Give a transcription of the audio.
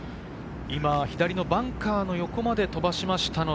左バンカーの横まで飛ばしました。